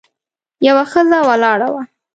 یوه ښځه ولاړه وه.